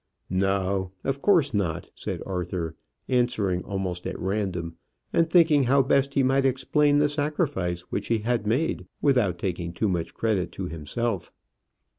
"No, of course not," said Arthur, answering almost at random, and thinking how best he might explain the sacrifice which he had made without taking too much credit to himself.